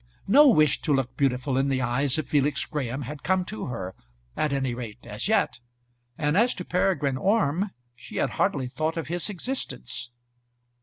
No wish to look beautiful in the eyes of Felix Graham had come to her at any rate as yet; and as to Peregrine Orme, she had hardly thought of his existence.